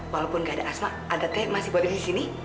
walaupun tidak ada asma ada t masih boleh di sini